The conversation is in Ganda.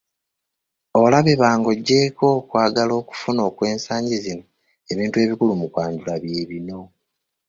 Olabye ba Ng’oggyeeko okwagala okufuna okw’ensangi zino , ebintu ebikulu mu kwanjula bye bino;